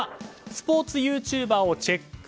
スポーツユーチューバーをチェック。